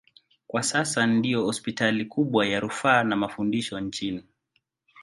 Kwa sasa ndiyo hospitali kubwa ya rufaa na mafundisho nchini.